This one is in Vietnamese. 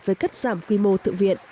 về cắt giảm quy mô thượng viện